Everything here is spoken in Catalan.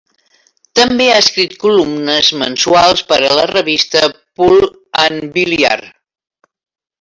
També ha escrit columnes mensuals per a la revista Pool and Billiard.